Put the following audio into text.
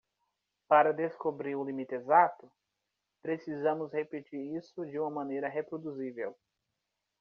Para descobrir o limite exato?, precisamos repetir isso de uma maneira reproduzível.